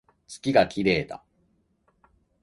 月が綺麗だ